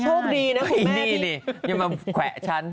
โชคดีนะคุณแม่พี่ได้มาแขวฉัน